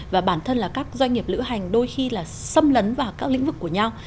và bản thân là các doanh nghiệp lữ hành đôi khi là xâm lấn vào các lĩnh vực của nhau